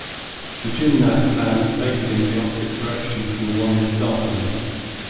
The gymnast lands facing the opposite direction from the one they started in.